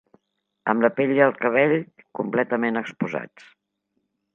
Amb la pell i el cabell completament exposats.